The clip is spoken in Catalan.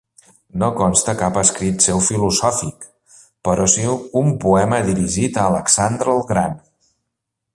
No consta cap escrit seu filosòfic, però sí un poema dirigit a Alexandre el Gran.